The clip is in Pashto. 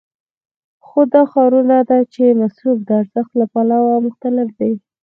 خو دا روښانه ده چې مصرف د ارزښت له پلوه مختلف دی